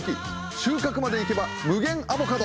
収穫までいけば無限アボカド。